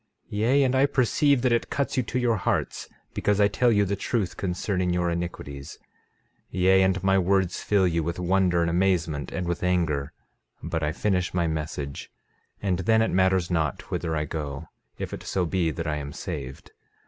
Yea, and I perceive that it cuts you to your hearts because I tell you the truth concerning your iniquities. 13:8 Yea, and my words fill you with wonder and amazement, and with anger. 13:9 But I finish my message; and then it matters not whither I go, if it so be that I am saved.